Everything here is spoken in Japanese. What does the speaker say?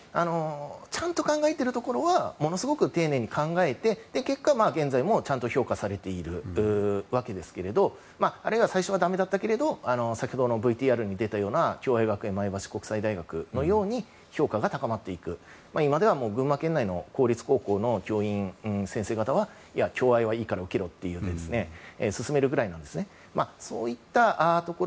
ちゃんと考えているところはものすごく丁寧に考えて結果、現在もちゃんと評価されているわけですしあるいは、最初はだめだったけど先ほどのＶＴＲに出たような共愛学園前橋国際大学のように評価が高まっていく今では群馬県内の公立高校の教員、先生方は共愛はいいから受けろというふうに勧めるくらいなんですね。